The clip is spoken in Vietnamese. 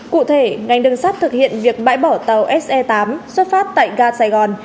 cụ thể ngành đường sắt thực hiện việc bãi bỏ tàu se tám xuất phát tại ga sài gòn